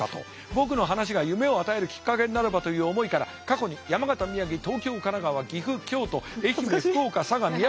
僕の話が夢を与えるきっかけになればという思いから過去に山形宮城東京神奈川岐阜京都愛媛福岡佐賀宮崎。